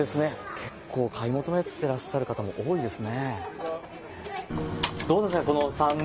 結構、買い求めていらっしゃる方多いですね。